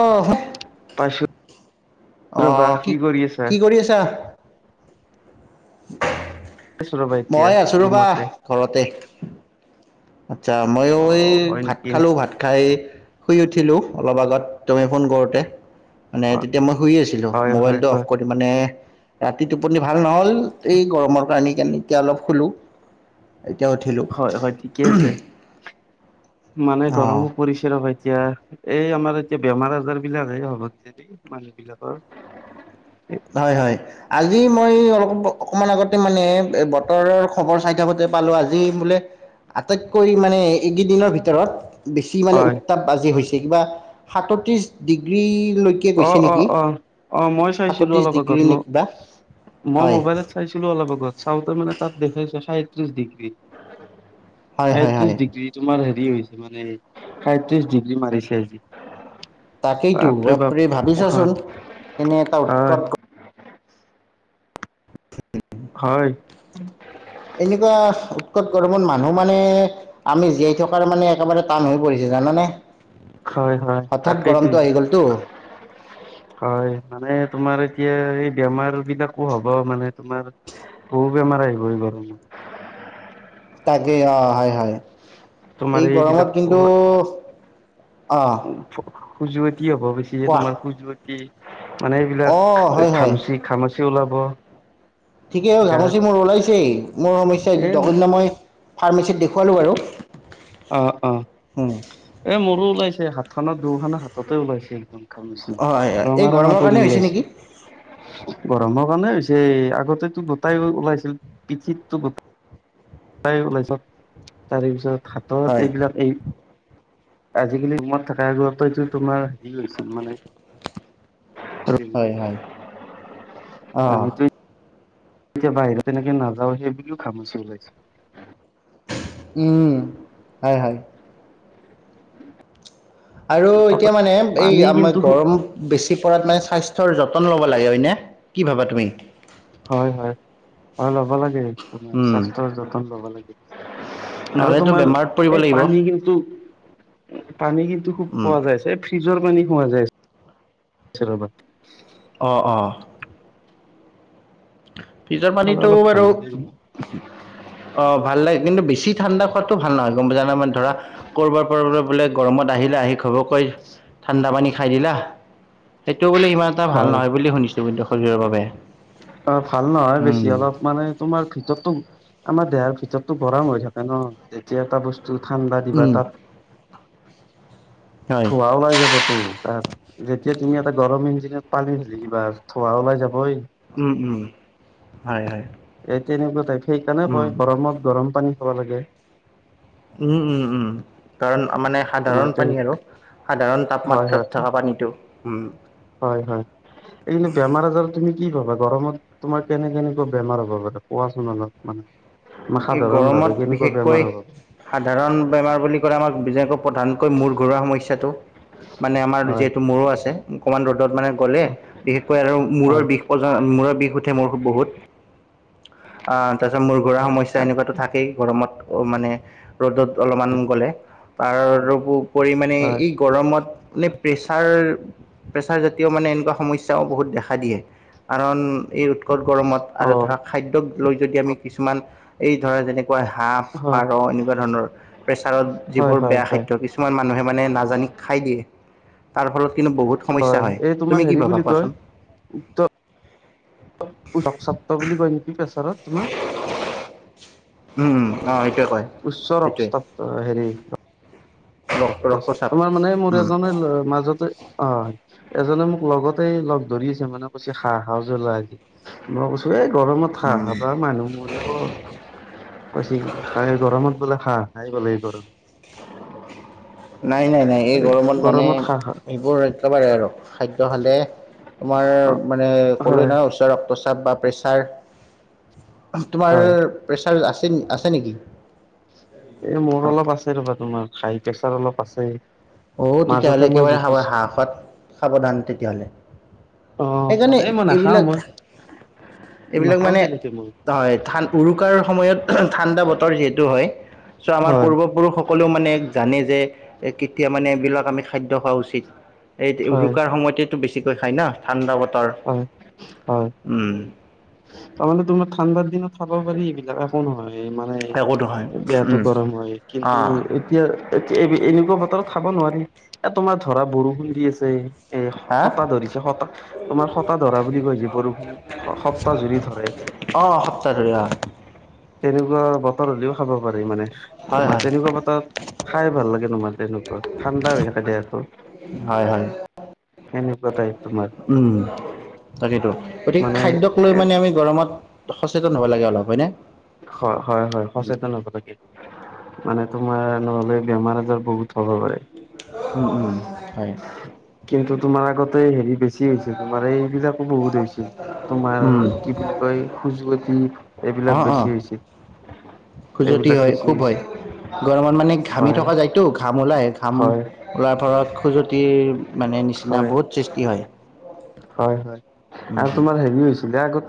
অহ পাইছো ৰবা অহ কি কৰি আছা? কি কৰি আছা? আছো ৰবা এতিয়া মই আছোঁ ৰ'বা ৰুমতে ঘৰতে। আচ্ছা ময়ো এই অ' হয় ভাত নেকি? খালোঁ ভাত খাই। শুই উঠিলো অলপ আগত তুমি ফোন কৰোতে মানে হয় তেতিয়া মই শুই আছিলোঁ হয় হয় মোবাইলটো অফ হয় কৰি মানে। [unintelligible] ৰাতি টোপনি ভাল নহল এই গৰমৰ কাৰণেই। কোন এতিয়া অলপ শুলোঁ এতিয়া উঠিলোঁ। থিক আছে। মানে অঁ গৰমো পৰিছে ৰ সেই এতিয়া এই আমাৰ এতিয়া বেমাৰ আজাৰ বিলাকে হ'ব কিজানি মানুহ বিলাকৰ হয় হয় আজি মই অলপ অকমান আগত মানে বতৰৰ খবৰ চাই থাকোতে পালো আজি বোলে আটাইতকৈ মানে এইকেইদিনৰ ভিতৰত বেছি মানে হয় উত্তাপ বাজি হৈছে কিবা সাতত্ৰিছ ডিগ্ৰী [unintelligible] অ অ অ অ মই চাইছো সাতত্ৰিছ অলপ আগত ডিগ্ৰী নে কিবা মই হয় মোবাইলত চাইছো অলপ আগত চাওঁতে মানে তাত দেখিছো [unintelligible] সয়ত্ৰিশ ডিগ্ৰী হয় এ হয় ত্ৰিশ হয় ডিগ্ৰী তোমাৰ হ [unintelligible] হৈছে মানে সাইত্ৰিশ ডিগ্ৰী মাৰিছে আজি তাকেইতো বাপৰে বাপ বাপ্ৰে হয় ভাবিছচোন এনে এটা হয় উৎকট হয়। এনেকুৱা উৎকট গৰমত মানুহ মানে আমি জীয়াই থকাৰ মানে একেবাৰে টান হৈ পৰিছে [unintelligible] জানানে হয় হয় হঠাৎ তাকেই গৰমটো তুমি আহি গ'লতো হয় মানে তোমাৰ এতিয়া এই বেমাৰ বিলাকো হ'ব মানে তোমাৰ বহু বেমাৰ আহি গল [unintelligible] তাকেই অ হয় হয় তোমাৰ এই গৰমত এইবিলাক কিন্তু অ খজুৱতি হ'ব বেছি যে কোৱা তোমাৰ খুজুৱতি [unintelligible] মানে এইবিলাক অ হয় হয় খামচি খামাচি ওলাব ঠিকেই হ গাত ঘামচি মোৰ ওলাইছেই মোৰ সমস্যা এ দ দিনা মই ফাৰ্মাচীত দেখুৱালো আৰু অ অ এ মোৰো ওলাইছে হাত খনত দু খন হাততে ওলাইছে একদম হয় এই ৰঙা ৰঙা গৰমৰ পৰি কাৰণে হৈছে নেকি ওলাইছে গৰমৰ কাৰণে হৈছে আগতেটো গোটাই ওলাইছিল পিঠিতো গো ওলাইছে তাৰে পিছত হাতত হয় এইবিলাক এই [unintelligible] আজিকালি মমত থকা আগত এইতোটো তোমাৰ হেৰি হৈছিল মানে হয় হয় আহ আমিতো এতিয়া বাহিৰত এনেকে নাযাও সেইবও খামুচি ওলাইছে। উম', হয়-হয়। [inaudible] আৰু এতিয়া মানে এই পানী আমাৰ কিন্তু গৰম বেছি মানে স্বাস্থ্যৰ যতন ল'ব লাগে হয়নে কি ভাবা তুমি? হয়-হয়, আৰু ল'ব লাগে তুমাৰ স্বাস্থ্যৰ যতন ল'ব লাগে। আৰু নহ'লেতো তোমাৰ বেমাৰত পৰিব এই লাগিব পানী কিন্তু পানী কিন্তু খুব পোৱা যায়ছে, এ ফ্ৰিজৰ পানী খোৱাা যায় অ'-অ'। ফ্ৰীজৰ খালে পানীটো অলপ বাৰু ভাল লাগে তোমাৰ। অ', ভাল লাগে। কিন্তু বেছি ঠাণ্ডা খোৱাতটো ভাল নহয় গম পাইছে নে? মানে ধৰা ক'বাৰ পৰা বোলে গৰমত আহিলে আহি খব কৈ ঠাণ্ডা পানী খাই দিলাহ। বোলে ইমান এটা ভাল হয় নহয় বুলি শুনিছো কিন্তু শৰীৰৰ বাবে। অ', ভাল নহয় বেছি উম অলপ মানে তোমাৰ ভিতৰতো আমাৰ দেহাৰ ভিতৰতো গৰম হৈ থাকে ন, তেতিয়া এটা বস্তু ঠাণ্ডা দিবা উম তাত হয় থোৱা ওলাই যাব তো তাত যেতিয়া তুমি এটা গৰম ইজ পানী ঢালি দিব, থোৱাা ওলাই যাবই। উম'-উম', হয়-হয়। এ তেনেকুৱা টাইপ সেইকাৰণে কয় গৰমত গৰম পানী খাব লাগে। উম'- উম'- উম', কাৰণ মানে তোমাৰ সাধাৰণ তেনে পানী আৰু, সাধাৰণ তাপমাত্ৰাত থকা পানীটো। উম'। হয়-হয়। এই কিন্তু বেমাৰ আজাৰ তুমি কি ভাবা? গৰমত তোমাৰ কেনে কেনেকুৱা বেমাৰ হ'ব পাৰে, কোৱাচোন অলপ মানে? এই সাধাৰণ ভাৱে গৰমত কেনেকুৱা বেমাৰ বিশেষকৈ হ'ব সাধাৰণ বেমাৰ বুলি কলে আমাক [unintelligible] প্ৰধানকৈ মোৰ ঘৰুৱা সমস্যাটো। মানে আমাৰ হয় যিহেতু মূৰো আছে অকমান ৰ'দত মানে গ'লে বিশেষকৈ আৰু হয় মূৰৰ বিষ প হয় বিষ উঠে মোৰ খুব বহুত। আহ, তাৰ পিছত মূৰ ঘূৰা সমস্যা এনেকুৱাতো থাকেই গৰমত মানে। ৰ'দত অলপমান গ'লে তাৰপৰি মানে হয় এই গৰমত মানে প্ৰেছাৰ-প্ৰেছাৰ জাতীয় মানে এইবিলাক সমস্যাও বহুত দেখা দিয়ে। কাৰণ গৰম ত অ আৰু ধৰা খাদ্য লৈ এতিয়া আমি কিছুমান এই ধৰা যেনে হাঁহ, হয় পাৰ এনেকুৱা ধৰণৰ প্ৰেচাৰত হয় যিবোৰ হয় বেয়া হয় খাদ্য কিছুমান মানুহে মানে নাজানি খাই দিয়ে। তাৰ ফলত কিন্তু বহুত সমস্যা হয়। এই তোমাৰ তুমি কি হেৰি ভাবা বুলি কোৱাচোন? উসত্ব বুলি কয় নেকি প্ৰেছাৰত তোমাৰ। উম উম অ সেইটোৱে কয় উচ্চ সেইটোৱে ৰক্ষ্টপদ হেৰি ৰক্ত [unintelligible] ৰক্তচাপ তোমাৰ মানে মোৰ উম এজন মাজতে অ'। এজনে মোক লগতে লগ ধৰিছে মানে কৈছে হাঁহ খাওঁ যদি লৈ আহিবি। মই কৈছো এ গৰমত হাঁহ উম খাবা মানুহ মৰিব। কৈছে হাঁহ এই গৰমত বোলে হাঁহ [unintelligible] [inaudible] নাই-নাই-নাই এই গৰমত মানে সেইবোৰ একেবাৰে আৰু খাদ্য খালে তোমাৰ খা অ মানে ক'লো হয় নহয় উচ্চ ৰক্তচাপ বা প্ৰেছাৰ তোমাৰ হয় প্ৰেচাৰ আছে-আছে নেকি? এ, মোৰ অলপ আছে ৰ'বা তোমাৰ হাই প্ৰেছাৰ অলপ আছে। অঔ মাজতে তেতিয়াহ'লে মই একেবাৰে হাঁহ জুখিছো খোৱা ত সাৱধান তেতিয়াহ'লে। অ সেইকাৰণে, মানে মই নাখাও এইবিলাক মই এইবিলাক নাখাও মানে তেনেকে মই হয়, ধান উৰুকাৰ সময়ত ঠাণ্ডা বতৰ যিহেতু হয়। চ' আমাৰ হয় পূৰ্বপুৰুষসকলেও মানে জানে যে তেতিয়া মানে এইবিলাক আমি খাদ্য খোৱা উচিত। এই হয় উৰুকাৰ সময়তেটো বেছিকৈ খায় না ঠাণ্ডা বতৰ হয়, হয় উম তাৰ মানে তোমাৰ ঠাণ্ডাৰ দিনত খাব পাৰি এইবিলাক একো নহয়। মানে একো নহয় যিহেতু গৰম হয়। কিন্তু অঁ এতিয়া এতিয়া এ এনেকুৱা বতৰত খাব নোৱাৰি। এ তোমাৰ ধৰা বৰষুণ দি আছে এ হা হতা ধৰিছে হতা তোমাৰ হতা ধৰা বুলি কৈ যে বৰষুণ স সপ্তাহ জুৰি ধৰে। অঁ সপ্তাহ ধৰি অঁ তেনেকুৱা বতৰ হ'লেও খাব পাৰি মানে। হয় তোমাৰ হয় তেনেকুৱা বতৰত খাই ভাল লাগে তোমাৰ তেনেকুৱা ঠাণ্ডা হৈ কেনে থাকে আৰু হয় হয়। সেনেকুৱা টাইপ তোমাৰ উম, তাকেইতো গতিকে মানে খাদ্যক লৈ এ মানে আমি গৰমত সচেতন হ'ব লাগে অলপ হয় নে? হয়, হয় হয় সচেতন হ'ব লাগে। মানে তোমাৰ নহ'লে বেমাৰ আজাৰ বহুত হ'ব পাৰে। উম উম হয় কিন্তু তোমাৰ আগতে হেৰী বেছি হৈছিল। তোমাৰ এ এইবিলাকো বহুত হৈছিল তোমাৰ কি বুলি কয় খুজুৱতি এইবিলাক বেছি হৈছিল। খুজুৱতি এইবিলাক হয়, বেছি খুব হয়। হৈছিল। গৰমত মানে ঘামি হয় থকা যায়তো ঘাম ওলাই ঘাম হয় ফলত খুজুৱতিৰ মানে নিচিনা হয় বহুত সৃষ্টি হয়। হয় হয় উম, আৰু তোমাৰ হেৰীও হৈছিলে আগত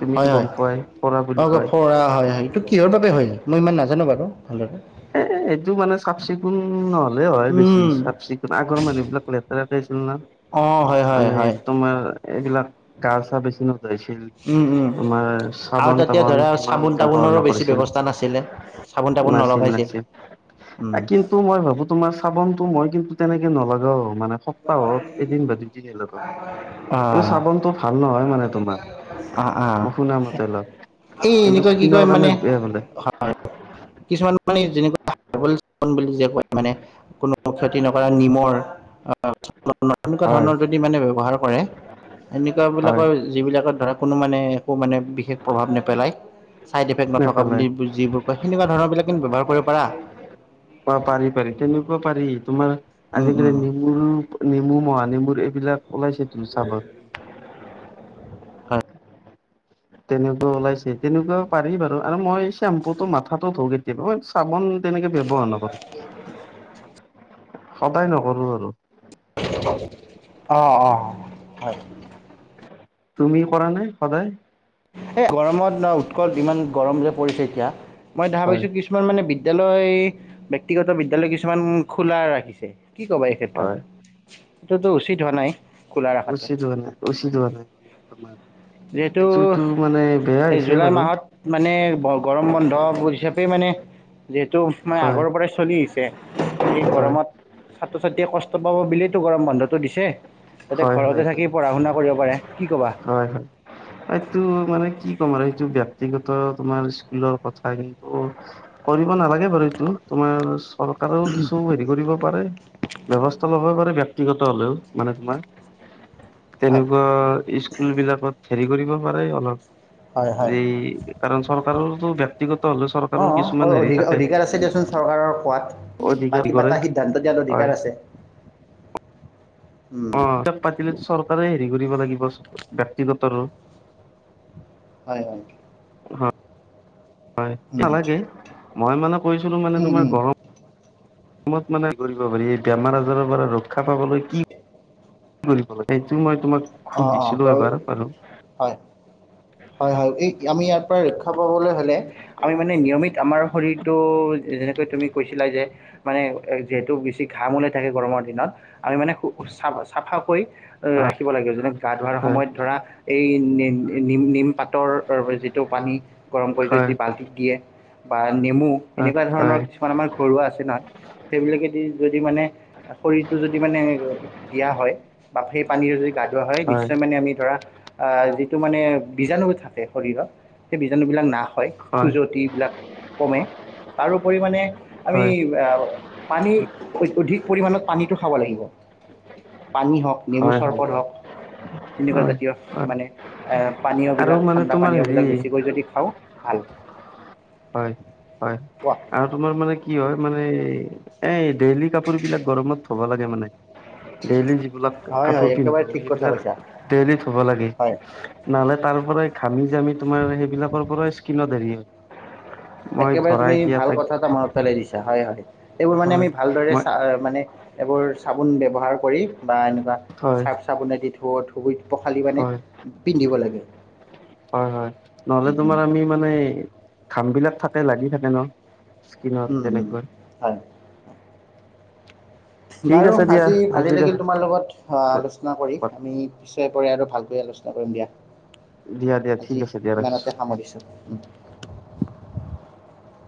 তুমিতো হয় গম হয় পোৱাই ফৰা বুলি অক কয় কৰা হয় হয়। এইটো কিহৰ বাবে হয়? মই ইমান নাজানো বাৰু ভালদৰে এ, এইটো মানে চাফ - চিকুণ নহ'লে হয় বেছি চাফ - চিকুণ আগৰ মানুহ বিলাক লেটেৰা অঁ হয় হয় মানে হয় তোমাৰ এইবিলাক গা চা বেছি নু উম উম আৰু চাবোন তাতে তাবোন ধৰা ইমান চাবোন ব্যৱহাৰ তাবোনৰো বেছি নকৰিছিল ব্যৱস্থা নাছিলে। চাবোন তাবোন নলগাই যে এ কিন্তু, মই ভাবো তোমাৰ চাবোনটো মই কিন্তু তেনেকে নলগাওঁ মানে সপ্তাহত এদিন বা দুদিনে লগাওঁ এইটো অঁ চাবোনটো ভাল নহয় মানে তোমাৰ অঁ অঁ শুনা মতে অলপ এই কিন্তু এনেকুৱা কি স্কিনৰ কয় মানে, কাৰণে বেয়া বোলে। হয়, কিছুমান বুলি কয় [unintelligible] মানে কোনো কতি নকৰা নিমৰ এনেকুৱা হয় ধৰণৰ যদি মানে ব্যৱহাৰ কৰে। এনেকুৱা হয় বিলাকৰ যিবিলাকত ধৰক কোনো মানে একো মানে বিশেষ প্ৰভাৱ নেপেলায় চাইডিফেক্ট নথকা নেপেলাই বুলি যিবোৰ কয় সেনেকুৱা ধৰণৰ বিলাক কিন্তু ব্যৱহাৰ কৰিব পাৰা অ পাৰি পাৰি তেনেকুৱা পাৰি তোমাৰ উম, আজিকালি উম, নেমুৰ নেমু মহা নেমুৰ এইবিলাক ওলাইছে তোৰ হিচাপত হয় তেনেকুৱা ওলাইছে তেনেকুৱা পাৰি বাৰু আৰু মই চেম্পুটো মাথাটো ধু কেতিয়াবা মই চাবোন তেনেকে ব্যৱহাৰ নকৰোঁ [unintelligible] সদায় নকৰোঁ আৰু অঁ অঁ হয় তুমি কৰা নে সদায় এ গৰমত ন উৎক যিমান গৰম যে পৰিছে এতিয়া মই দেখা হয় পাইছোঁ কিছুমান মানে বি বিদ্যালয় ব্যক্তিগত বিদ্যালয় কিছুমান খোলা ৰাখিছে কি ক'বা এই ক্ষেত্ৰত হয়। এইটোতো উচিত হোৱা নাই খোলা ৰখাটো উচিত হোৱা নাই উচিত হোৱা নাই যিহেতু এইটোতো মানে বেয়া এই হৈছে জুলাই বাৰু মাহত মানে গৰম বন্ধ চাপে মানে যিহেতু মানে হয় আগৰ পৰাই চলি আহিছে এই হয় গৰমত ছাত্ৰ ছাত্ৰীয়ে কষ্ট পাব বুলিয়েতো গৰম বন্ধটো দিছে যাতে হয় ঘৰতে হয় থাকি হয় পঢ়া শুনা কৰিব পাৰে কি ক'বা হয় হয় এইটো মানে কি ক'ম আৰু এইটো ব্যক্তিগত তোমাৰ স্কুলৰ কথা কিন্তু কৰিব নালাগে বাৰু এইটো তোমাৰ চৰকাৰেও কিছু হেৰি কৰিব পাৰে ব্যৱস্থা লব পাৰে ব্যক্তিগত হ'লেও মানে তোমাৰ হয় তেনেকোৱা স্কুল বিলাকত হেৰি কৰিব পাৰে হয় অলপ হয় এই কাৰণ চৰকাৰৰতো ব্যক্তিগত হলে অঁ চৰকাৰৰ অঁ কিছুমান হেৰি অধিক থাকে অধিকাৰ আছে দিয়াচোন চৰকাৰৰ কোৱাত বা অধিকাৰ কিবা কৰে এটা সিদ্ধান্ত দিয়াত অধিকাৰ হয় আছে উম, অ ক পাতিলে চৰকাৰে হেৰি কৰিব লাগিব ব্যক্তিগত আৰু হয় হয় অ হয় উম নালাগে মই মানে কৈছিলো মানে উম তোমাৰ উম গৰম ত মানে কৰিব পাৰি এই বেমাৰ আজাৰৰ পৰা ৰক্ষা পাবলৈ কি কৰিব লাগে সেইটো মই তোমাক অঁ অঁ গ সুধিছিলো এবাৰ বাৰু হয় হয় হয় এই আমি ইয়াৰ পৰা ৰক্ষা পাবলৈ হলে আমি মানে নিয়মিত আমাৰ শৰীৰটো যেনেকৈ তুমি কৈছিলা যে মানে যিহেতু বেছি ঘাম ওলাই থাকে গৰমৰ দিনত আমি মানে চাফ চাফা কৰি ৰাখিব লাগিব যেনে গা ধোৱাৰ হয় সময়ত ধৰা এই নি নিম নিম পাত তৰ যিটো পানী গৰম কৰি হয় যদি বাল্টিত দিয়ে বা নেমু হয় এনেকোৱা ধৰণৰ হয় কিছুমান আমাৰ ঘৰুৱা আছে নহয় সেইবিলাকেদি যদি মানে শৰীৰটো যদি মানে দিয়া হয় বা সেই পানীৰ যদি গা ধোৱা হয় নিশ্চয় মানে আমি ধৰা যিটো মানে বীজাণু থাকে শৰীৰত সেই বীজাণুবিলাক না হয় খজুৱতিবিলাক কমে তাৰোপৰি মানে আমি হয় আহ পানী অধিক পৰিমানত পানীটো খাব লাগিব পানী হওক নেবু হয় হয় চৰবত হওক তেনেকোৱা হয় জাতীয় হয় মানে এ পানীয় আৰু বিলাক মানে ঠাণ্ডা তোমাৰ পানীয় হেৰি বিলাক বেছিকৈ যদি খাওঁ ভাল হয় হয় কোৱা আৰু তোমাৰ মানে কি হয় মানে এ ডেইলি কাপোৰ বিলাক গৰমত থ'ব লাগে মানে ডেইলি লাক হয় হয় কাপোৰ একেবাৰে পিন্ধো আমি ঠিক কথা সেইবিলাক কৈছা ডেইলি ধুব লাগে হয় নহলে তাৰ পৰাই ঘামি আমি তোমাৰ সেইবিলাকৰ পৰা স্কিনত হেৰি মই একেবাৰে ধৰা তুমি এতিয়া ভাল তাক কথা এটা মনত পেলাই দিছা হয় হয় এইবোৰ মানে হয় আমি ভালদৰে মই চা মানে এইবোৰ চাবোন ব্যৱহাৰ কৰি বা এনেকোৱা হয় চাৰ্ফ চাবোনে দি ধুই ধুব পখালি মানে হয় পিন্ধিব লাগে হয় হয় নহলে উম, উম, তোমাৰ আমি মানে ঘাম বিলাক থাকে লাগি থাকে ন স কিনত উম, উম, তেনেকুৱৈ হয় [unintelligible] ঠিক বাৰু আছে দিয়া আজি ভালে আজিৰ লাগিল তোমাৰ লগত আলোচনা কৰি আমি পিছে পৰে আৰু ভালকৈ আলোচনা কৰিম দিয়া দিয়া দিয়া ঠিক আজি আছে দিয়া ৰাখিছো ইমানতে সামৰিছোঁ [unintelligible]